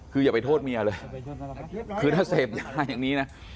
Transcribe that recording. คืออย่าไปโทษเมียเลยคือถ้าเสพยาอย่างนี้นะ